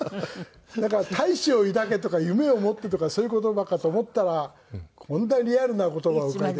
なんか「大志を抱け」とか「夢を持って」とかそういう言葉かと思ったらこんなリアルな言葉を書いて。